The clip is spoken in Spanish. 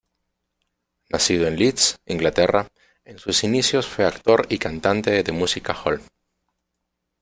Nacido en Leeds, Inglaterra, en sus inicios fue actor y cantante de music hall.